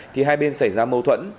thì hai bên xảy ra mâu thuẫn